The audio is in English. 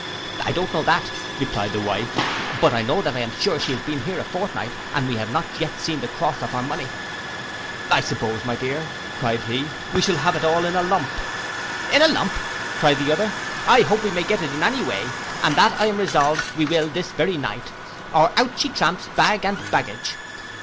'—'I don't know that,' replied the wife; 'but I know that I am sure she has been here a fortnight, and we have not yet seen the cross of her money.'—'I suppose, my dear,' cried he, 'we shall have it all in a, lump.'—'In a lump!' cried the other, 'I hope we may get it any way; and that I am resolved we will this very night, or out she tramps, bag and baggage.